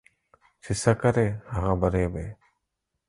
چي څه کرې ، هغه به رېبې.